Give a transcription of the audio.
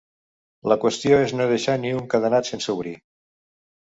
La qüestió és no deixar ni un cadenat sense obrir.